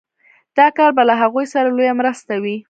دا کار به له هغوی سره لويه مرسته وي